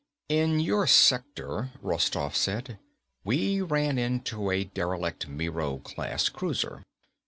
"In your sector," Rostoff said, "we ran into a derelict Miro class cruiser.